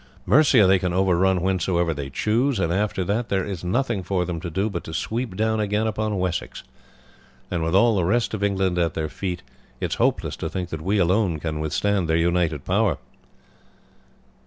Mercia they can overrun whensoever they choose, and after that there is nothing for them to do but to sweep down again upon Wessex, and with all the rest of England at their feet it is hopeless to think that we alone can withstand their united power."